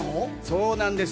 そうなんです。